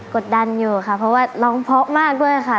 กดดันอยู่ครับเพราะว่าน้องเพลงพอปมากด้วยค่ะ